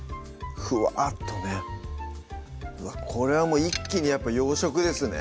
ふわっとねこれはもう一気に洋食ですね